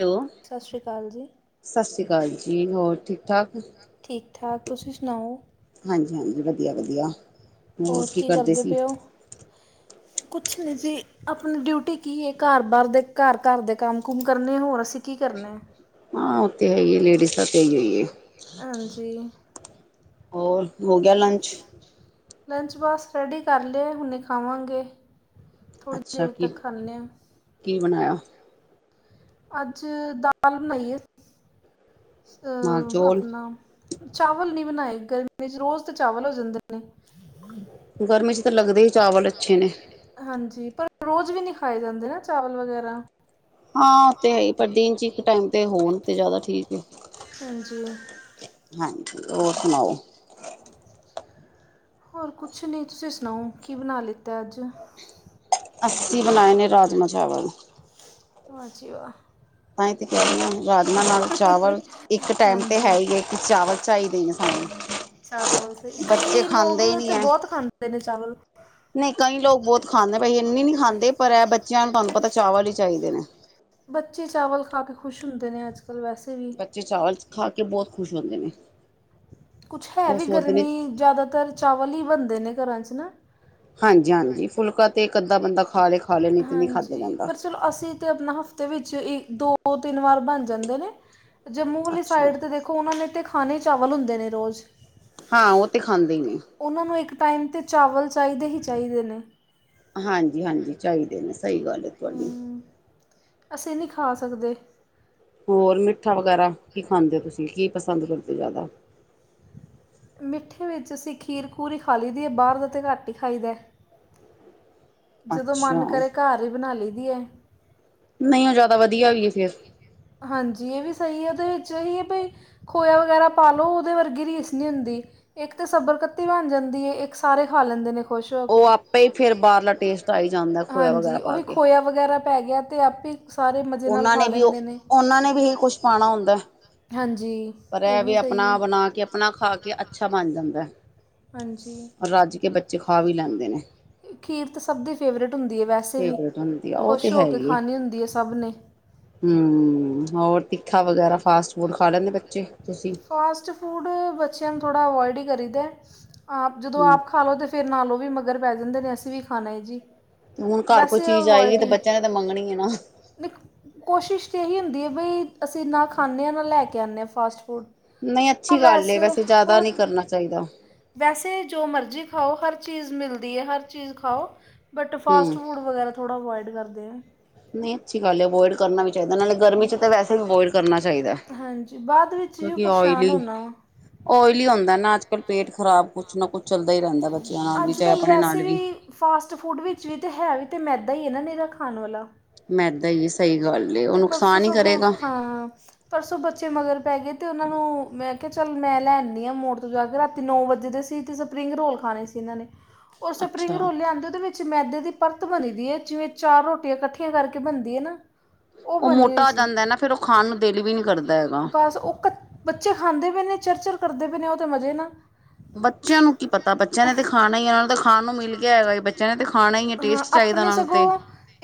Hello. ਸਾਸ ਸ਼੍ਰੀ ਕਾਲ ਜੀ। ਸਾਸ ਸ਼੍ਰੀ ਕਾਲ ਜੀ, ਹੋਰ ਠੀਕ-ਠਾਕ। ਠੀਕ-ਠਾਕ ਤੁਸੀਂ ਸੁਨਾਓ। ਹਾਂਜੀ-ਹਾਂਜੀ ਵਧੀਆ-ਵਧੀਆ, ਹੋਰ ਕੀ ਕਾਰਦੇ ਸੀ? ਕੁੱਛ ਨੀ ਜੀ। ਅਪਣੀ ਡਿਊਟੀ ਕੀ ਏ ਕੱਰ-ਬਾਹਰ ਦੇ ਕਰ-ਕਰ ਦੇ ਕੰਮ-ਕੁੰਮ ਕਰਨੇ ਹੋਰ ਅਸੀਂ ਕੀ ਕਰਨਾ। ਹਾਂ ਓ ਤੇ ਹੈ ਈ ਏ ਲੇਡੀਜ਼ ਦਾ ਤਾਂ ਐਇਓ ਏ। ਹਾਂਜੀ। ਔਰ, ਹੋ ਗੇਆ ਲੰਚ? ਲੰਚ ਬਾੱਸ ਰੈਡੀ ਕਾਰ ਲੇਐ, ਹੁਨੇ ਖਾਵਾਂਗੇ। ਥੋੜ੍ਹੀ ਅੱਛਾ ਦੇਰ ਤੱਕ ਖਾਂਦੇ ਹਾਂ ਕੀ-ਕੀ ਬਨਾਏਆ? ਆੱਜ ਦਾਲ ਬਨਾਈ ਏ, ਮਾਂ ਅ ਚੌਲ ਅਪਨਾ ਚਾਵਲ ਨੀ ਬਨਾਏ ਗਰਮੀ ਚ, ਰੋਜ ਤੇ ਚਾਵਲ ਹੋ ਜਾਂਦੇ ਨੇ। ਗਰਮੀ ਚ ਤੇ ਲੱਗਦੇ ਈ ਚਾਵਲ ਅੱਛੇ ਨੇ। ਹਾਂਜੀ, ਪਰ ਰੋਜ ਵੀ ਨੀ ਖਾਏ ਜਾਂਦੇ ਨਾ ਚਾਵਲ ਵਗੈਰਾ। ਹਾਂ ਓ ਤੇ ਹੈਈ, ਪਰ ਦਿਨ ਚ ਇੱਕ ਟਾਈਮ ਤੇ ਹੋਨ, ਤੇ ਜਾਦਾ ਠੀਕ ਏ। ਹਾਂਜੀ। ਹਾਂਜੀ, ਔਰ ਸੁਨਾਓ? ਹੋਰ ਕੁੱਛ ਨੀ, ਤੂਸੀ ਸੁਨਾਓ, ਕੀ ਬਨਾ ਲਿੱਤੈ ਆੱਜ? ਅੱਸੀ ਬਨਾਏ ਨੇ ਰਾਜਮਾ ਚਾਵਲ। ਵਾ ਜੀ ਵਾ। ਤਾਂਈ ਤੇ ਕੈਅ ਰੀ ਆਂ, ਰਾਜਮਾਂ ਨਾਲ ਚਾਵਲ, ਇੱਕ ਟਾਈਮ ਤੇ ਹਾਂਜੀ ਹੈ ਈ ਏ। ਕਿ ਚਾਵਲ ਚਾਈਦੇ ਨੇ ਸਾਨੂੰ। ਚਾਵਲ ਸਈ, ਬੱਚੇ ਕਈਂ ਲੋਗ ਖਾਂਦੇ ਤੇ ਬੋਤ ਖਾਂਦੇ ਨੇ ਚਾਵਲ। ਨਈ ਕਈਂ ਲੋਗ ਬੋਤ ਖਾਂਦੇ, ਬਈ ਇੰਨੀ ਨੀ ਖਾਂਦੇ, ਪਰ ਐ ਬੱਚੇਆਂ ਨੂੰ ਤੂਆਨੂੰ ਪਤੈ ਚਾਵਲ ਈ ਚਾਈਦੇ ਨੇ। ਬੱਚੇ ਚਾਵਲ ਖਾ ਕੇ ਖੁਸ਼ ਹੁੰਦੇ ਨੇ ਆੱਜ-ਕਾੱਲ ਵੈਸੇ ਵੀ। ਚੇ ਚਾਵਲ ਖਾ ਕੇ ਬੋਤ ਖੁਸ਼ ਹੋਂਦੇ ਨੇ। ਕੁੱਛ ਹੈ ਉਹ ਵੀ ਸੋਚਦੇ ਨੇ ਗਰਮੀ, ਜਾਦਾਤਰ ਚਾਵਲ ਈ ਬਨਦੇ ਨੇ ਘਰਾਂ ਚ ਨਾ। ਹਾਂਜੀ-ਹਾਂਜੀ ਫੁਲਕਾ ਤੇ ਇੱਕ ਅੱਦਾ ਬੰਦਾ ਖਾਲੇ-ਖਾਲੇ, ਨੀ ਤੇ ਨੀ ਖਾੱਦਾ ਜਾਂਦਾ। ਤੇ ਅਪਨਾ ਹਫ਼ਤੇ ਵਿੱਚ ਈ ਦੋ-ਤਿੰਨ ਵਾਰ ਬਾੱਨ ਜਾਂਦੇ ਨੇ, ਜੱਮੂ ਵਾਲੀ ਅੱਛਾ ਸਾਈਡ ਤੇ ਦੇਖ ਖੋ ਉਨਾਂ ਨੇ ਤੇ ਖਾਨੇ ਈ ਚਾਵਲ ਹੁੰਦੇ ਨੇ ਰੋਜ। ਹਾਂ, ਓ ਤੇ ਖਾਂਦੇ ਈ ਨੇ। ਉਨਾਂ ਨੂੰ ਇੱਕ ਟਾਈਮ ਤੇ ਚਾਵਲ ਚਾਈਦੇ ਹੀ ਚਾਈਦੇ ਨੇ। ਹਾਂਜੀ-ਹਾਂਜੀ ਚਾਈਦੇ ਨੇ। ਸਹੀ ਗੱਲ ਹੈ ਤੁਹਾਡੀ। ਹੂੰ, ਅਸੀ ਨੀ ਖਾ ਸਕਦੇ। ਹੋਰ ਮਿੱਠਾ ਵਗੈਰਾ, ਕੀ ਖਾਂਦੇ ਓ ਤੂਸੀ, ਕੀ ਪਸੰਦ ਕਰਦੇ ਓ ਜਾਦਾ? ਮਿੱਠੇ ਵਿੱਚ ਅਸੀ ਖੀਰ-ਖੁਰ ਈ ਖਾ ਲਈ ਦੀ ਏ, ਬਾਰ ਦਾ ਤੇ ਘਾੱਟ ਈ ਖਾਈ ਦੈ। ਜਦੋਂ ਮਾੱਨ ਅੱਛਾ ਕਰੇ ਘਾਰ ਈ ਬਨਾ ਲਈ ਦੀ ਏ। ਨਈ ਓ ਜਾਦਾ ਵਦੀਆ ਵੀ ਏ ਫੇਰ। ਹਾਂਜੀ, ਏ ਵੀ ਸਈ ਐ, ਤੇ ਵਿੱਚ ਏ ਈ ਏ ਬਈ ਖੋਏਆ ਵਗੈਰਾ ਪਾ ਲੋ ਓਦੇ ਵਰਗੀ ਰੀਸ ਨੀ ਹੁੰਦੀ। ਏੱਕ ਤੇ ਸਬਰਕੱਤੀ ਬਾੱਨ ਜਾਂਦੀ ਏ, ਏੱਕ ਸਾਰੇ ਖਾ ਲੈਂਦੇ ਨੇ। ਖੁਸ਼ ਹੋ ਓ ਕੇ ਆਪੇ ਈ ਫੇਰ ਬਾਰਲਾ ਟੇਸਟ ਆਈ ਜਾਂਦੈ, ਖੋਏਆ ਵਗੈਰਾ ਹਾਂਜੀ ਪਾ ਉਹੀ ਕੇ। ਖੋਇਆ ਵਗੈਰਾ ਪੈ ਗੇਆ ਤੇ ਆਪੇ ਸਾਰੇ ਮ ਓਨਾਂ ਨੇ ਵੀ ਓ, ਓਨਾਂ ਨੇ ਵੀ ਏਈ ਕੁੱਛ ਪਾਣਾ ਹੁੰਦੈ। ਹਾਂਜੀ ਪਰ ਇਹ ਐ ਵੀ ਵੇ ਸਹੀ ਅਪਨਾ ਹੈ ਬਨਾ ਕੇ ਅਪਨਾ ਖਾ ਕੇ ਅੱਛਾ ਬਾੱਨ ਜਾਂਦੈ। ਹਾਂਜੀ। ਰਾੱਜ ਕੇ ਬੱਚੇ ਖਾ ਵੀ ਲੈਂਦੇ ਨੇ। ਖੀਰ ਤੇ ਸਬ ਦੀ ਫੇਵਰੇਟ ਹੁੰਦੀ ਏ ਵੈਸੇ ਵੀ, ਫੇਵਰੇਟ ਹੁੰਦੀ ਆ ਉਹ ਤੇ ਖੁਸ਼ ਹੋ ਹੈ ਕੇ ਹੀ ਖਾਨੀ ਹੁੰਦੀ ਏ ਸਬ ਨੇ। ਹੂੰ, ਹੋਰ ਤਿੱਖਾ ਵਗੈਰਾ, ਫਾਸਟ ਫੂਡ ਖਾ ਲੈਂਦੇ ਬੱਚੇ, ਤੂਸੀ? ਫਾਸਟ ਫੂਡ ਬੱਚੇਆਂ ਨੂੰ ਥੋੜਾ ਅਵੋਏਡ ਈ ਕਰੀ ਦੈ, ਆਪ ਜਦੋਂ ਹੂੰ ਆਪ ਖਾ ਲੋ ਤੇ ਫ ਫਿਰ ਨਾਲ ਉਹ ਵੀ ਮਗਰ ਪੈ ਜਾਂਦੇ ਨੇ ਅਸੀਂ ਵੀ ਖਾਣਾ ਏ ਜੀ। ਹੁਣ ਘਰ ਕੋਈ ਵੈਸੇ ਚੀਜ਼ ਆਏਗੀ ਅਵੋਇਡ ਤੇ ਹੀ ਬੱਚਿਆਂ ਨੇ ਤੇ ਮੰਗਣੀ ਏ ਨਾ। ਕੋਸ਼ਿਸ਼ ਤੇ ਇਹੀ ਹੁੰਦੀ ਏ ਬਈ ਅਸੀਂ ਨਾ ਖਾਂਨੇ ਆਂ, ਨਾ ਲੈ ਕੇ ਆਂਨੇ ਆਂ ਫਾਸਟ ਫੂਡ। ਨਹੀਂ ਹਾਂ ਅੱਛੀ ਗੱਲ ਏ ਵੈਸੇ ਜ਼ਿਆਦਾ ਹੋਰ? ਨਹੀਂ ਕਰਨਾ ਚਾਹੀਦਾ ਵੈਸੇ ਜੋ ਮਰਜ਼ੀ ਖਾਓ ਹਰ ਚੀਜ਼ ਮਿਲਦੀ ਏ ਹਰ ਚੀਜ਼ ਖਾਓ- ਬਟ ਫਾਸਟ ਹੂੰ। ਫੂਡ ਵਗੈਰਾ ਥੋੜਾ ਅਵੋਇਡ ਕਰਦੇ ਐ। ਨਹੀਂ ਅੱਛੀ ਗਲ ਏ ਅਵੋਇਡ ਕਰਨਾ ਵੀ ਚਾਹੀਦੈ ਨਾਲੇ ਗਰਮੀ ਚ ਵੈਸੇ ਵੀ ਅਵੋਡ ਕਰਨਾ ਚਾਹੀਦੈ। ਬਾਦ ਵਿੱਚ ਜੋ ਪਰੇਸ਼ਾਨ ਹੋਨਾ ਓਇਲੀ ਹੁੰਦੈ ਨਾ ਅੱਜ-ਕੱਲ੍ਹ ਪੇਟ ਖ਼ਰਾਬ ਕੁੱਛ ਨਾ ਕੁਛ ਚੱਲਦਾ ਈ ਰਹਿੰਦੈ ਬੱਚਿਆਂ ਨਾਲ ਵੀ ਅੱਜ ਤੇ ਕੱਲ੍ਹ ਆਪਣੇ ਵੈਸੇ ਨਾਲ ਵੀ ਫਾਸਟ ਫੂਡ ਵਿੱਚ ਵੀ ਤੇ ਹੈ ਵੀ ਤੇ ਮੈਦਾ ਈ ਏ ਨਾ ਨੀਰਾ ਖਾਣ ਵਾਲਾ। ਮੈਂਦਾਂ ਈ ਏ, ਸਹੀ ਗੱਲ ਏ, ਉਹ ਤੇ ਪਰਸੋਂ ਨੁਕਸਾਨ ਈ ਸਗੋਂ ਕਰੇਗਾ। ਹਾਂ ਪਰਸੋਂ ਬੱਚੇ ਮਗਰ ਪੈਗੇ ਤੇ ਉਹਨਾਂ ਨੂੰ ਮੈਂ ਕਿਹਾ ਚੱਲ ਮੈਂ ਲੈਣ ਨੀ ਆਂ ਮੋੜ ਤੋਂ ਜਾ ਕੇ ਰਾਤੀ ਨੌ ਵਜੇ ਦੇ ਸੀ ਤੇ ਸਪਰਿੰਗ ਰੋਲ ਖਾਣੇ ਸੀ ਇਹਨਾਂ ਨੇ, ਉਹ ਸਪਰਿੰਗ ਅੱਛਾ। ਰੋਲ ਲਿਆਂਦੇ ਉਹਦੇ ਵਿੱਚ- ਮੈਦੇ ਦੀ ਪਰਤ ਬਣੀਦੀਏ ਜਿਵੇਂ ਚਾਰ ਰੋਟੀਆਂ ਕੱਠੀਆਂ ਕਰਕੇ ਬਣਦੀ ਏ ਨਾ- ਉਹ ਬਣੀ ਹੋਈ ਮੋਟਾ ਹੋ ਸੀ ਜਾਂਦਾ ਨਾ ਫੇਰ ਉਹ ਖਾਨ ਨੂੰ ਖਾਣ ਦਿਲ ਨੀ ਕਰਦਾ ਵੀ ਨੀ ਹੈਗਾ। ਕਰਦਾ ਬਸ ਉਹ ਬੱਚੇ ਖਾਂਦੇ ਪਏ ਨੇ ਚਰਚਰ ਕਰਦੇ ਪਏ ਨੇ ਉਹ ਤੇ ਮਜ਼ੇ ਨਾਲ ਬੱਚਿਆਂ ਨੂੰ ਕੀ ਪਤਾ ਬੱਚਿਆਂ ਨੇ ਤੇ ਖਾਣਾ ਈ ਏ ਉਹਨਾਂ ਨੂੰ ਤਾਂ ਖਾਣ ਨੂੰ ਮਿਲ ਗਿਆ ਹੈਗਾ ਬ- ਬੱਚਿਆਂ ਨੇ ਤੇ ਖਾਣਾ ਈ ਏ, ਹਾਂ ਟੇਸਟ ਚਾਹੀਦਾ ਆਪਣੇ ਉਹਨਾਂ ਨੂੰ ਤੇ ਸਗੋਂ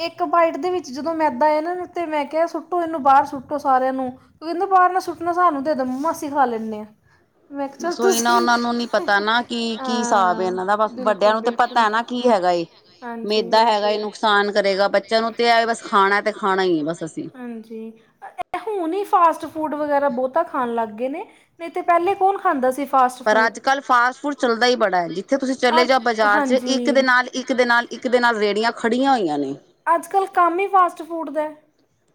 ਇੱਕ ਬਾਈਟ ਦੇ ਵਿੱਚ ਜਦੋਂ ਮੈਦਾਂ ਆਏ ਨਾ ਤੇ ਮੈਂ ਕਿਹਾ ਸੁੱਟੋ ਇਹਨੂੰ ਬਾਹਰ ਸੁੱਟੋ ਸਾਰਿਆਂ ਨੂੰ। ਪਰ ਨਾ ਬਾਰ ਨਾ ਸੁੱਟਣਾ ਸਾਨੂੰ ਦੇ ਦੋ ਮੱਮਾ ਅਸੀਂ ਖਾ ਲੈਂਨੇ ਆ। ਬਸ ਉਈ ਨਾ ਉਹਨਾਂ ਨੂੰ ਨੀ ਪਤਾ ਨਾ ਕਿ ਕੀ ਹਿਸਾਬ ਹਾਂ ਏ ਇਹਨਾਂ ਦਾ ਬਸ ਵੱਡਿਆਂ ਬਿਲਕੁਲ ਨੂੰ ਤੇ ਬਿਲਕੁਲ ਪਤੈ ਨਾ ਕੀ- ਹੈਗਾ ਏ, ਹਾਂਜੀ ਮੇਦਾ ਹੈਗਾ ਏ ਨੁਕਸਾਨ ਕਰੇਗਾ ਬੱਚਿਆਂ ਨੂੰ ਤੇ ਐ ਏ ਬਸ ਖਾਣਾ ਤੇ, ਖਾਣਾ ਈ ਏ ਬਸ। ਅਸੀਂ। ਹਾਂਜੀ ਅ ਏ ਏ ਹੁਣ ਹੀ ਫਾਸਟ ਫੂਡ ਵਗੈਰਾ ਬਹੁਤਾ ਖਾਣ ਲੱਗਗੇ ਨੇ ਨਈ ਤੇ ਪੈਲੇ ਕੌਣ ਖਾਂਦਾ ਸੀ। ਫਾਸਟ ਪਰ ਫੂਡ ਅੱਜ ਕੱਲ੍ਹ ਫਾਸਟ ਫੂਡ ਚੱਲਦਾ ਈ ਬੜਾ ਏ, ਜਿੱਥੇ ਤੁਸੀਂ ਚਲੇ ਅ ਜਾਓ ਬਾਜ਼ਾਰ ਚ ਹਾਂਜੀ। ਇੱਕ ਦੇ ਨਾਲ ਰੇਹੜੀਆਂ ਇੱਕ ਦੇ ਨਾਲ, ਇੱਕ ਦੇ ਨਾਲ ਰੇਹੜੀਆਂ ਖੜੀਆਂ ਹੋਈਆਂ ਨੇ। ਅੱਜ ਕੱਲ ਕੰਮ ਹੀ ਫਾਸਟ ਫੂਡ ਦੈ,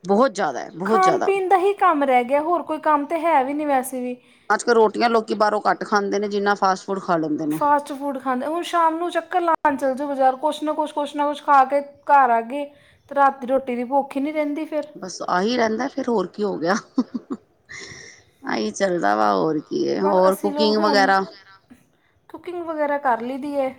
ਬਹੁਤ ਜ਼ਿਆਦਾ ਹੈ ਬਹੁਤ ਖਾਣ ਜ਼ਿਆਦਾ ਪੀਣ ਦਾ ਈ ਕੰਮ ਰੈ ਗਿਆ ਹੋਰ ਕੋਈ ਕੰਮ ਤੇ ਹੈ ਵੀ ਨੀ ਵੈਸੇ ਵੀ ਅੱਜ ਕੱਲ੍ਹ ਰੋਟੀਆਂ ਲੋਕੀ ਬਾਹਰੋਂ ਘੱਟ ਖਾਂਦੇ ਨੇ ਜਿੰਨਾ ਫਾਸਟ ਫੂਡ ਖਾ ਲੈਂਦੇ ਨੇ ਸਟ ਫੂਡ ਖਾਂਦੇ ਹੁਣ ਸ਼ਾਮ ਨੂੰ ਚੱਕਰ ਲਾਣ ਚੱਲ ਜੋ ਬਜ਼ਾਰ ਕੁੱਛ ਨਾ ਕੁੱਛ ਕੁੱਛ ਨਾ ਕੁੱਛ ਖਾ ਕੇ ਘਰ ਆ ਗੇ ਤੇ ਰਾਤ ਦੀ ਰੋਟੀ ਦੀ ਭੁੱਖ ਈ ਨੀ ਰਹਿੰਦੀ ਫੇਰ ਬਸ ਆਹੀ ਰਹਿੰਦੈ ਫੇਰ ਹੋਰ ਕੀ ਹੋ ਗਿਆ ਆਹੀ ਚੱਲਦਾ ਵਾ ਹੋਰ ਕੀ ਹੈ ਬਸ ਹੋਰ ਅੱਸੀ ਲੋਗ ਕੁਕਿੰਗ ਹੁਣ ਵਗੈਰਾ ਕੁਕਿੰਗ ਵਗੈਰਾ ਕਰ ਲਈ ਦੀ ਏ,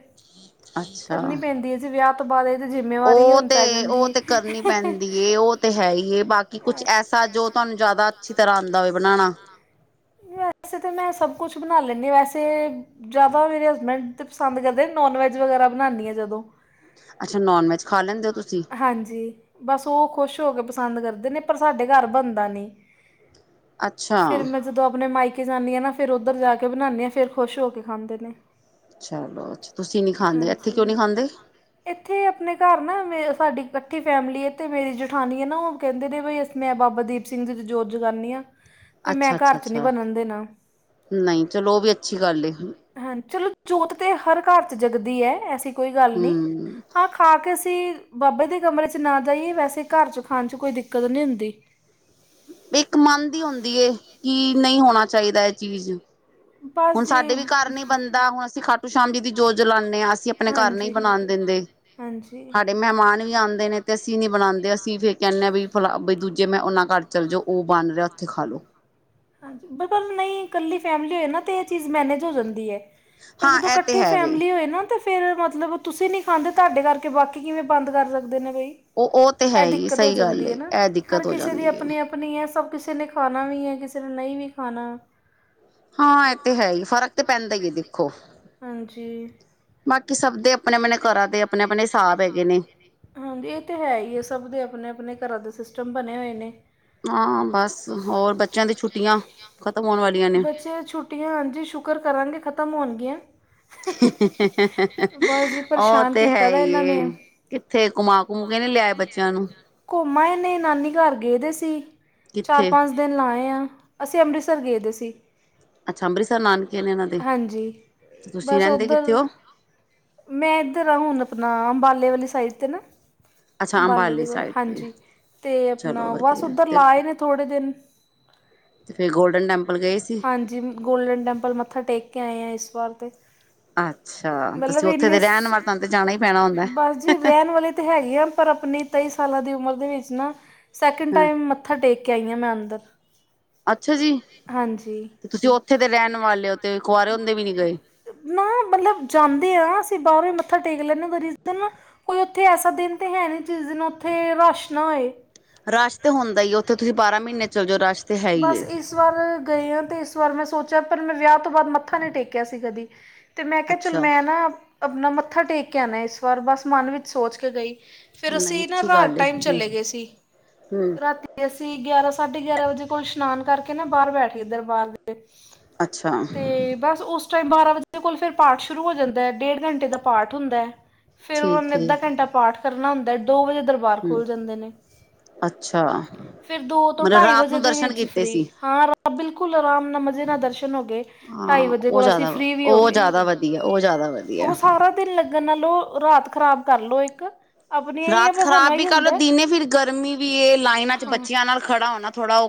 ਅੱਛਾ ਕਰਨੀ ਪੈਂਦੀ ਏ ਜੀ ਵਿਆਹ ਬਾਦ ਐਦੇ ਜਿੰਮੇਂ ਉਹ ਤੇ ਉਹ ਤੇ ਕਰਨੀ ਪੈਂਦੀ ਏ ਉਹ ਤੇ ਹੈ ਹੀ ਏ ਬਾਕੀ ਕੁੱਛ ਐਸ ਸਾ ਜੋ ਤੁਹਾਨੂੰ ਜਾਦਾ ਅੱਛੀ ਤਰ੍ਹਾਂ ਆਦਾਂ ਹੋਵੇ ਬਣਾਣਾ ਨਈ ਵੈਸੇ ਤੇ ਮੈਂ ਸਭ ਕੁੱਛ ਬਣਾ ਲੈਂਣੀ ਆਂ ਵੈਸੇ ਜਾਦਾ ਮੇਰੇ ਹਸਬੈਂਡ ਤੇ ਪਸੰਦ ਕਰਦੇ ਨੋਨ ਵੈਜ ਵਗੈਰਾ ਬਣਾਂਨੀ ਆ ਜਦੋਂ ਅੱਛਾ ਨੋਨ ਵੈਜ ਖਾ ਲੈਂਦੇ ਹੋ ਤੁਸੀਂ ਹਾਂਜੀ ਬਸ ਉਹ ਖੁਸ਼ ਹੋ ਕੇ ਪਸੰਦ ਕਰਦੇ ਨੇ ਪਰ ਸਾਡੇ ਘਰ ਬਣਦਾ ਨੀ। ਅੱਛਾ ਜਦੋਂ ਆਪਣੇ ਮਾਈਕੇ ਜਾਂਣੀ ਆਂ ਨਾ ਫੇਰ ਉੱਧਰ ਜਾ ਕੇ ਬਣਾਂਣੀ ਆਂ ਫੇਰ ਖੁਸ਼ ਹੋ ਕੇ ਖਾਂਦੇ ਨੇ। ਚਲੋ ਅੱਛ ਤੁਸੀਂ ਨੀ ਖਾਂਦੇ, ਇੱਥੇ ਕਿਉਂ ਨੀ ਹਾਂਜੀ ਖਾਂਦੇ? ਇੱਥੇ ਅਪਨੇ ਕਾਰ ਨਾ ਮੇ ਸਾਡੀ ਕੱਠੀ ਫੈਮਿਲੀ ਏ ਤੇ ਮੇਰੀ ਜਠਾਨੀ ਐ ਨਾ ਉਹ ਕੇਂਦੇ ਨੇ ਬਈ ਅਸੀ ਮੈਂ ਬਾਬਾ ਦੀਪ ਸਿੰਘ ਜੀ ਦੀ ਜੋੋਤ ਜਗਾਨੀ ਆ। ਵੀ ਮੈਂ ਅੱਛਾ-ਅੱਛਾ, ਘਰ 'ਚ ਨਹੀਂ ਅੱਛਾ ਬਣਨ ਦੇਣਾ ਨਹੀੲ ਚਲੋ ਉਹ ਵੀ ਅੱਛੀ ਗੱਲ ਏ। ਹਾਂ ਚਲੋ ਜੋਤ ਤੇ ਹਰ ਕਾਰ ਚ ਜਗਦੀ ਐ ਐਸੀ ਕੋਈ ਗੱਲ ਨੀ। ਹਮ ਹਾਂ ਖਾ ਕੇ ਅਸੀਂ ਬਾਬੇ ਦੇ ਕਮਰੇ ਚ ਨਾ ਜਾਈਏ ਵੈਸੇ ਕਾਰ ਚ ਖਾਣ ਚ ਕੋਈ ਦਿੱਕਤ ਨੀ ਹੁੰਦੀ। ਇੱਕ ਮਨ ਦੀ ਹੁੰਦੀ ਏ ਕਿ ਨਈ ਹੋਣਾ ਚਾਈਦਾ ਇਹ ਚੀਜ਼। ਹੁਣ ਬਸ ਜੀ ਸਾਡੇ ਵੀ ਕਾਰ ਨੀ ਬੰਦ ਦਾ ਹੁਣ ਅਸੀਂ ਖਾਟੂ ਸ਼ਾਮ ਜੀ ਦੀ ਜੋਤ ਜਲਾਣੇ ਆ ਅਸੀਂ ਆਪਣੇ ਕਾਰ ਨਈ ਹਾਂਜੀ ਬਣਾਨ ਦਿੰਦੇ ਹਾਂਜੀ ਸਾਡੇ ਮੇਹਮਾਨ ਵੀ ਆਂਦੇ ਨੇ ਤੇ ਅਸੀਂ ਨੀ ਬਣਾਂਦੇ ਅਸੀਂ ਫੇਰ ਕਹਿੰਣੇ ਆ ਵੀ ਫਲਾ ਬਈ ਦੂਜੇ ਮੈਂ ਉਨਾਂ ਕਰ ਚੱਲ ਜੋ ਉਹ ਬਣ ਰਿਆ ਤੇ ਖਾਲੋ। ਹਾਂਜੀ ਬ ਪਰ ਨਈ ਕੱਲੀ ਫੈਮਲੀ ਹੋਏ ਨਾ ਤੇ ਏ ਚੀਜ਼ ਮੈਨੇਜ ਹੋ ਜਾਂਦੀ ਏ। ਪਰ ਹਾਂ ਜਦੋਂ ਇਹ ਤੇ ਕੱਠੇ ਹੈ ਵੇ ਫੈਮਲੀ ਹੋਏ ਨਾ ਤੇ ਫੇ ਫੇਰ ਮਤਲਬ ਤੁਸੀਂ ਨੀ ਖਾਂਦੇ ਤਾਡੇ ਕਰਕੇ ਬਾਕੀ ਕਿਵੇਂ ਬੰਦ ਕਰ ਸਕਦੇ ਨੇ ਬਈ। ਉਹ ਉਹ ਤੇ ਐ ਹੈ ਹੀ ਦਿੱਕਤ ਹੋ ਸਹੀ ਗੱਲ ਜਾਂਦੀ ਏ ਨਾ ਇਹ ਹਰ ਦਿੱਕਤ ਹੋ ਕਿਸੇ ਦੀ ਜਾਂਦੀ ਏ ਆਪਣੀ-ਆਪਣੀ ਆਪਣੀ ਐ ਸਭ ਕਿਸੇ ਨੇ ਖਾਣਾ ਵੀ ਐ ਕਿਸੇ ਨੇ ਨਈ ਵੀ ਖਾਣਾ। ਹਾਂ ਐ ਤੇ ਹੈ ਈ ਫਰਕ ਤੇ ਪੈਂਦਾ ਈ ਏ ਦੇਖੋ। ਹਾਂਜੀ। ਬਾਕੀ ਸਭ ਦੇ ਅਪਣੇ-ਅਪਣੇ ਘਰਾਂ ਦੇ ਅਪਣੇ-ਅਪਣੇ ਸਾਬ ਹੈਗੇ ਨੇ। ਹਾਂਜੀ ਏ ਤੇ ਹੈ ਈ ਐ ਸਭ ਦੇ ਅਪਣੇ-ਅਪਣੇ ਘਰਾਂ ਦੇ ਸਿਸਟਮ ਬਨੇ ਹੋਏ ਨੇ। ਹਾਂ ਬਸ ਹੋਰ ਬੱਚਿਆਂ ਦੀ ਛੁੱਟੀਆ ਖ਼ਤਮ ਹੋਣ ਵਾਲੀਆ। ਬੱਚਿਆ ਦੀ ਛੁੱਟੀਆ ਹਾਂਜੀ ਸ਼ੁਕਰ ਕਰਾਂਗੇ ਖ਼ਤਮ ਹੋਣਗੀਆ। ਜੀ ਔ ਪਰੇਸ਼ਾਨ ਤੇ ਹੈ ਕੀਤਾ ਦਾ ਈ ਇਹਨਾਂ ਏ। ਨੇ। ਕਿੱਥੇ ਘੁਮਾ-ਘਮੁ ਕੇ ਨੀ ਲਿਆਏ ਬੱਚਿਆ ਨੂੰ। ਘੁੰਮ ਆਏ ਨੇ ਨਾਨੀ ਕਰ ਗਏ ਦੇ ਸੀ ਕਿੱਥੇ ਚਾਰ-ਪੰਜ ਦਿਨ ਲਾਏ ਆ ਅਸੀਂ ਅੰਮ੍ਰਿਤਸਰ ਗਏ ਦੇ ਸੀ। ਅੱਛਾ ਅੰਮ੍ਰਿਤਸਰ ਨਾਨਕੇ ਨੇ ਇਨਾਂ ਦੇ, ਹਾਂਜੀ ਤੇ ਤੁਸੀਂ ਬਸ ਰੇਂਦੇ ਕਿੱਥੇ ਉੱਧਰ ਔ? ਮੈਂ ਇੱਧਰ ਆ ਹੁਣ ਆਪਣਾ ਅੰਬਾਲੇ ਵਾਲੀ ਸਾਈਡ ਤੇ ਨਾ। ਅੱਛਾ ਅੰਬਾਲੇ ਦੇ ਕੋਲ ਸਾਈਡ ਤੇ ਹਾਂਜੀ ਤੇ ਚਲੋ ਅਪਣਾ ਬਸ ਵਧੀਆ ਉੱਧਰ ਤੇ ਲਾਏ ਨੇ ਥੋੜੇ ਦਿਨ। ਤੇ ਫੇਰ ਗੋਲਡਨ ਟੈਂਪਲ ਗਏ ਸੀ। ਜੀ ਗੋਲਡਨ ਟੈਂਪਲ ਮੱਥਾ ਟੇਕ ਕੇ ਆਏ ਆ ਇਸ ਵਾਰ ਤੇ। ਅੱਛਾ ਤੁਸੀਂ ਉੱਥੇ ਦੇ ਰੇਣ ਵਾ ਤਾਨ ਤੇ ਜਾਣਾ ਈ ਪੈਣਾ ਹੁੰਦਾ। ਹੈਗੀ ਆ ਪਰ ਅਪਣੀ ਤੇਈ ਸਾਲਾਂ ਦੀ ਉਮਰ ਦੇ ਵਿੱਚ ਨਾ ਸੈਕਿੰਡ ਹਾਂ ਟਾਈਮ ਮ ਮੱਥਾ ਟੇਕ ਕੇ ਆਈ ਆ ਮੈਂ ਅੰਦਰ। ਅੱਛਾ ਜੀ ਹਾਂਜੀ ਤੇ ਤੁਸੀਂ ਉੱਥੇ ਦੇ ਰੇਣ ਵਾਲੇ ਹੋ ਤੇ ਕੁਆਰੇ ਹੁੰਦੇ ਵੀ ਨੀ ਗਏ। ਨਾ ਮਤਲੱਬ ਜਾਂਦੇ ਆ ਅਸੀਂ ਬਾਰੋ ਈ ਮੱਥਾ ਟੇਕ ਲੈਨੇ ਉਦਾ ਰੀਜ਼ਨ ਨਾ ਕੋਈ ਉੱਥੇ ਐਸਾ ਦਿਨ ਤੇ ਹੈ ਨੀ ਜਿਸ ਦਿਨ ਉੱਥੇ ਰਾਸ਼ ਨਾ ਹੋਏ। ਰਾਸ਼ ਤੇ ਹੁੰਦਾ ਈ ਏ ਉੱਥੇ ਤੁਸੀਂ ਬਾਰਾਂ ਮੁਨੇ ਚੱਲ ਜਾਓ ਰਾਸ਼ ਬਸ ਇਸ ਇਸ ਵਾਰ ਗਈ ਆ ਤੇ ਇਸ ਵਾਰ ਮੈਂ ਸੋਚਿਆ ਪਰ ਮੈਂ ਵਿਆਹ ਤੋਂ ਬਾਦ ਮੱਥਾ ਨੀ ਟੇਕਿਆ ਸੀ ਕਦੀ। ਤੇ ਮੈਂ ਕਿਆ ਚੱਲ ਅੱਛਾ ਮੈਂ ਨਾ ਆਪਣਾ ਮੱਥਾ ਟੇਕ ਕੇ ਆਨਾ ਇਸ ਵਾਰ ਬਸ ਮਨ ਵਿੱਚ ਸੋਚ ਕੇ ਗਈ। ਫੇਰ ਨਹੀਂ ਅਸੀਂ ਨਾ ਅੱਛੀ ਰਾਤ ਗੱਲ ਏ ਟਾਈਮ ਹੂੰ ਚਲੇ ਗਏ ਸੀ, ਹੂੰ ਰਾਤੀ ਤੇ ਅਸੀਂ ਗਿਆਰਾਂ ਸਾਢੇ ਗਿਆਰਾਂ ਵਜੇ ਕੋਲ ਸ਼ਨਾਨ ਕਰਕੇ ਨਾ ਬਾਰ ਬੈਠ ਗਏ ਦਰਬਾਰ ਅੱਛਾ ਤੇ ਬਸ ਉਸ ਉਸ ਟਾਈਮ ਬਾਰਾਂ ਵਜੇ ਕੋਲ ਫੇਰ ਪਾਠ ਸ਼ੁਰੂ ਹੋ ਜਾਂਦਾ ਡੇਢ ਘੰਟੇ ਦਾ ਪਾਠ ਹੁੰਦਾ। ਫੇਰ ਓਨੇ ਠੀਕ ਏ ਅੱਧਾ ਕੰਟਾ ਪਾਠ ਕਰਨਾ ਹੁੰਦਾ ਐ ਦੋ ਵਜੇ ਦਰਬਾਰ ਵਾਰ ਹੂੰ ਖੁਲ ਜਾਂਦੇ ਨੇ ਅੱਛਾ ਫੇਰ ਦੋ ਤੋਂ ਮਤਲਬ ਢਾਈ ਰਾਤ ਵਜੇ ਨੂੰ ਦੇ ਦਰਸ਼ਨ ਵਿੱਚ ਕੀਤੇ ਫ੍ਰੀ ਸੀ ਹਾਂ ਰੱਬ ਬਿਲਕੁਲ ਆਰਾਮ ਨਾਲ ਮਜ਼ੇ ਨਾਲ ਦਰਸ਼ਨ ਹੋ ਗਏ ਢਾਈ ਵਜੇ ਕੋਲ ਅਸੀਂ ਫ੍ਰੀ ਵੀ ਹੋ ਗਏ। ਜਾਦਾ ਵਧੀਆ ਓ ਜਾਦਾ ਵਧੀਆ। ਉਹ ਸਾਰਾ ਦਿਨ ਲੱਗਣ ਨਾਲੋ ਰਾਤ ਖ਼ਰਾਬ ਕਰਲੋ ਏਕ ਰਾਤ ਖ਼ਰਾਬ ਵੀ ਕਰ ਲਓ ਦਿਨੇ ਫੇਰ ਗਰਮੀ ਵੀ ਏ ਲਾਈਨਾਂ ਚ ਹਾਂ ਬੱਚਿਆਂ ਨਾਲ ਖੜਾ ਹੋਣਾ ਥੋੜ੍ਹਾ ਓ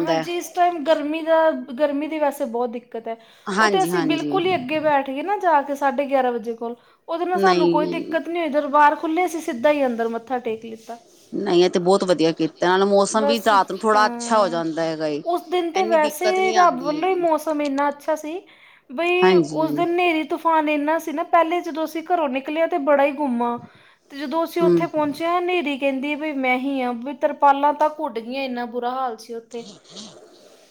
ਹਾਂਜੀ ਇਸ ਟਾਈਮ ਗਰਮੀਂ ਦਾ ਗਰਮੀਂ ਦੀ ਵੈਸੇ ਬੋਤ ਦਿੱਕਤ ਐ। ਓ ਤੇ ਹਾਂਜੀ ਅਸੀਂ ਹਾਂਜੀ ਬਿਲਕੁੱਲ ਈ ਅੱਗੇ ਬੈਠ ਗਏ ਨਾ ਜਾ ਕੇ ਸਾਢੇ ਗਿਆਰਾਂ ਵਜੇ ਕੋਲ ਓਦੇ ਨਾਲ ਸਾਨੂੰ ਨਹੀਂ ਕੋਈ ਦਿੱਕਤ ਨੀ ਹੋਈ ਦਰਬਾਰ ਖੁੱਲੇ ਸੀ ਸਿੱਧਾ ਈ ਅੰਦਰ ਮੱਥਾ ਟੇਕ ਲਿੱਤਾ। ਨਈ ਐ ਤੇ ਬੋਤ ਵਧੀਆ ਕੀਤਾ ਨਾਲੇ ਮੌਸਮ ਵੀ ਰਾਤ ਨੂੰ ਥੋੜਾ ਅੱਛਾ ਹੋ ਜਾਂ ਓਸ ਦਿਨ ਤੇ ਵੈਸੇ ਰੱਬ ਆਉਂਦੀ ਵੱਲੋਂ ਈ ਹੈਗੀ ਮੌਸਮ ਏਨਾ ਅੱਛਾ ਸੀ। ਬਈ ਉਸ ਹਾਂਜੀ ਦਿਨ ਹਨੇਰੀ ਤੂਫਾਨ ਏਨਾ ਸੀ ਨਾ ਪੈਲੇ ਜਦੋਂ ਅਸੀਂ ਕਰੋਂ ਨਿਕਲਿਆ ਤੇ ਬੜਾ ਹੀ ਗੁੰਮਾ, ਤੇ ਜਦੋਂ ਅਸੀਂ ਹਮ ਓਥੇ ਪੋਂਚੇ ਤੇ ਹਨੇਰੀ ਕੈਂਦੀ ਵੀ ਮੈਂ ਹੀ ਆ ਤਰਪਾਲਾਂ ਤਾਂ ਉਡ ਗਈਆਂ ਏਨਾ ਬੁਰਾ ਹਾਲ ਸੀ ਓਥੇ।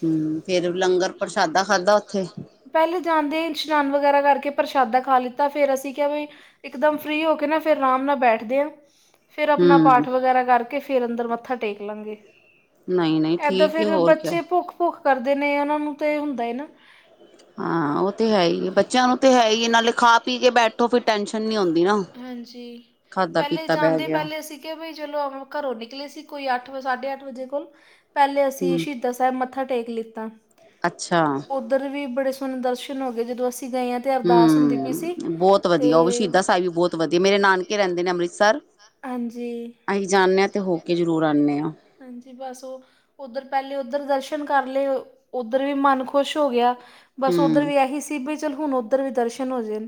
ਹੂੰ ਫੇਰ ਲੰਗਰ ਪ੍ਰਸ਼ਾਦਾ ਖਾਦਾ ਉੱਥੇ। ਪੈਲੇ ਜਾਂਦੇ ਈ ਇਸ਼ਨਾਨ ਵਗੈਰਾ ਕਰਕੇ ਪ੍ਰਸ਼ਾਦਾ ਖਾ ਲਿੱਤਾ ਫੇਰ ਅਸੀਂ ਕੇਆ ਵੀ ਇਕਦਮ ਫ੍ਰੀ ਹੋ ਕੇ ਨਾ ਫੇਰ ਆਰਾਮ ਨਾਲ ਬੈਠਦੇ ਆ। ਫੇਰ ਆਪਣਾ ਹਮ ਪਾਠ ਵਗੈਰਾ ਕਰਕੇ ਫਗਰ ਅੰਦਰ ਮੱਥਾ ਟੇਕ ਲਾਂਗੇ। ਨਹੀਂ ਨਹੀਂ ਐਦਾਂ ਠੀਕ ਹੈ ਫਿਰ ਹੋਰ ਕਿਆ ਬੱਚੇ ਭੁੱਖ-ਭੁੱਖ ਕਰਦੇ ਨੇ ਓਨਾਂ ਨੂੰ ਤੇ ਹੁੰਦਾ ਏ ਨਾ। ਹਾਂ ਓ ਤੇ ਹੈ ਈ ਐ ਬੱਚਿਆਂ ਨੂੰ ਤੇ ਹੈ ਈ ਐ ਨਾਲੇ ਖਾ ਪੀ ਕੇ ਬੈਠੋ ਫੇਰ ਟੈਨਸ਼ਨ ਨੀ ਹੁੰਦੀ। ਨਾ ਹਾਂਜੀ, ਖਾਧਾ ਪੈਲੇ ਪੀਤਾ ਬਹਿ ਜਾਂਦੇ ਗਿਆ ਪੈਲੇ ਅਸੀਂ ਮੈਂ ਕੈਯਾ ਬਈ ਚਲੋ ਕਰੋਂ ਨਿਕਲੇ ਸੀ ਕੋਈ ਅੱਠ ਵੇ ਸਾਢੇ ਅੱਠ ਵਜੇ ਕੋਲ ਪੈਲੇ ਅਸੀਂ ਹਮ ਸ਼ਹੀਦਾਂ ਦਾਂ ਸਾਹਿਬ ਮੱਥਾ ਟੇਕ ਲਿੱਤਾ। ਅੱਛਾ। ਉੱਧਰ ਵੀ ਬੜੇ ਸੋਹਣੇ ਦਰਸ਼ਨ ਹੋ ਗਏ ਜਦੋਂ ਅਸੀਂ ਗਏ ਹਾਂ ਤਾਂ ਅਰਦਾਸ ਹੁੰਦੀ ਪਈ ਹਮ ਸੀ ਤੇ ਬੋਤ ਵਧੀਆ ਮੇਰੇ ਨਾਨਕੇ ਰੈਂਦੇ ਨੇ ਅੰਮ੍ਰਿਤਸਰ। ਹਾਂਜੀ। ਅਹੀ ਜਾਂਨੇ ਆ ਤੇ ਹੋ ਕੇ ਜ਼ਰੂਰ ਆਂਨੇ ਆ। ਹਾਂਜੀ ਬਸ ਓ ਓਧਰ ਪੈਲੇ ਓਧਰ ਦਰਸ਼ਨ ਕਰ ਲਏ ਓਧਰ ਵੀ ਮਨ ਖੁਸ਼ ਹੋ ਗਿਆ। ਬਸ ਓਧਰ ਹਮ ਵੀ ਐਹੀ ਸੀ ਬਈ ਚੱਲ ਹੁਣ ਓਧਰ ਵੀ ਦਰਸ਼ਨ ਹੋ ਜੇ।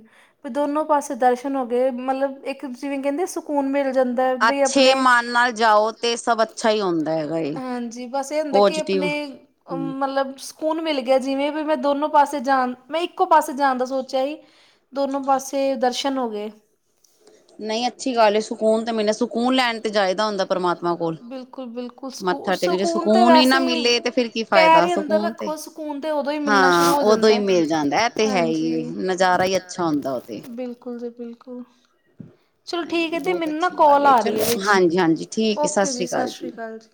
ਵੀ ਦੋਨੋਂ ਪਾਸੇ ਦਰਸ਼ਨ ਹੋ ਗਏ ਮਤਲਬ ਏਕ ਜਿਵੇਂ ਕੈਂਦੇ ਸਕੂਨ ਮਿਲ ਜਾਂਦਾ। ਬਈ ਅੱਛੇ ਆਪਣੇ ਮਨ ਨਾਲ ਜਾਓ ਤੇ ਸਭ ਅੱਛਾ ਈ ਹੁੰਦਾ ਹੈਗਾ ਏ। ਹਾਂਜੀ ਬਸ ਏਹ ਹੁੰਦਾ ਕਿ ਪੋਜ਼ਟਿਵ ਆਪਣੇ, ਹਮ ਮਤਲਬ ਸਕੂਨ ਮਿਲ ਗਿਆ ਜਿਵੇਂ ਵੀ ਮੈਂ ਦੋਨੋ ਪਾਸੇ ਜਾਣ ਮੈਂ ਇੱਕੋ ਪਾਸੇ ਜਾਣ ਦਾ ਸੋਚਿਆ ਸੀ। ਦੋਨੋ ਪਾਸੇ ਦਰਸ਼ਨ ਹੋ ਗਏ। ਨਈ ਅੱਛੀ ਗੱਲ ਏ ਸਕੂਨ ਤੇ ਮਿਲੇ ਸਕੂਨ ਲੈਣ ਤੇ ਜਾਇਦਾ ਹੁੰਦਾ ਪਰਮਾਤਮਾ ਕੋਲ ਬਿਲਕੁਲ-ਬਿਲਕੁਲ ਸਕੂ ਮੱਥਾ ਟੇਕ ਜੇ ਸਕੂਨ ਤੇ ਹੀ ਨਾ ਵੈਸੇ ਮਿਲੇ ਤੇ ਫਿਰ ਕੀ ਪੈਰ ਫਾਇਦਾ ਈ ਅੰਦਰ ਸਕੂਨ ਤੇ ਰੱਖੋ ਸਕੂਨ ਤੇ ਓਦੋਂ ਈ ਮਿਲਣਾ ਸ਼ੁਰੂ ਹਾਂ ਹੋ ਉਦੋਂ ਜਾਂਦਾ ਹੀ ਐ, ਮਿਲ ਜਾਂਦਾ ਇਹ ਤੇ ਹੈ ਹਾਂਜੀ ਹੀ ਨਜ਼ਾਰਾ ਹੀ ਅੱਛਾ ਹੁੰਦਾ ਉਹ ਤੇ ਬਿਲਕੁ ਬਿਲਕੁਲ ਜੀ ਬਿਲਕੁਲ ਚਲੋ ਠੀਕ ਐ ਤੇ ਮੈਨੂੰ ਨਾ ਕੋਲ ਆ ਰੀ ਏ ਇਹਦੇ ਚ ਜੀ ਹਾਂਜੀ ਠੀਕ ਹੈ ਸਤਿ ਓਕੇ ਜੀ ਅਕਾਲ ਸਾਸ ਸ਼੍ਰੀ ਕਾਲ ਜੀ।